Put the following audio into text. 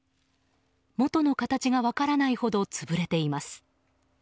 元の形が分からないほど潰れています。